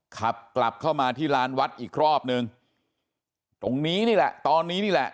ขับกลับเข้ามาที่ลานวัดอีกรอบนึงตรงนี้นี่แหละตอนนี้นี่แหละ